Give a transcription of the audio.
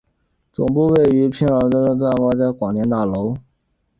总部位于平壤市牡丹峰区战胜洞广电大楼。